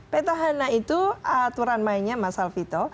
petahana itu aturan mainnya mas alvito